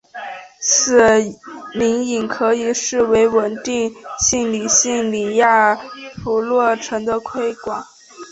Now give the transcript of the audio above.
此引理可以视为是稳定性理论李亚普诺夫方程的推广。